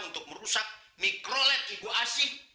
untuk merusak mikrolet ibu asih